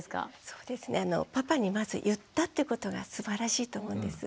そうですねパパにまず言ったってことがすばらしいと思うんです。